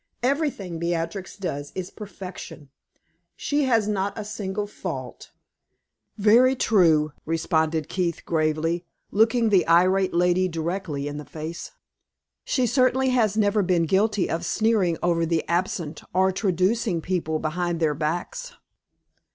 "Everything Beatrix does is perfection. She has not a single fault!" "Very true," responded Keith, gravely, looking the irate lady directly in the face. "She certainly has never been guilty of sneering over the absent or traducing people behind their backs!"